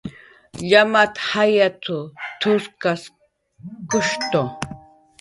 "Llamaq jayat""w t""uskatkushtu"